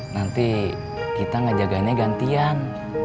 nanti kita ngejagainya gantian